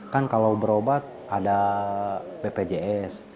kan kalau berobat ada bpjs